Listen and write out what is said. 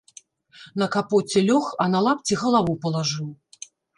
На капоце лёг, а на лапці галаву палажыў.